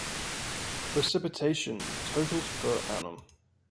Precipitation totals per annum.